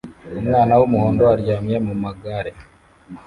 umwana wumuhondo aryamye mumagare